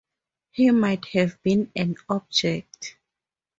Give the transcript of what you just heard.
He might have been an object.